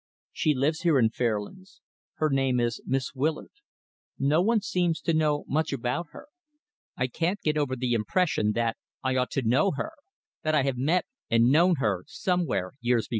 She lives here in Fairlands. Her name is Miss Willard. No one seems to know much about her. I can't get over the impression that I ought to know her that I have met and known her somewhere years ago.